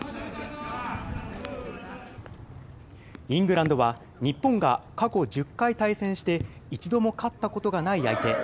イングランドは日本が過去１０回対戦して一度も勝ったことがない相手。